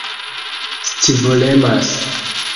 scivolemas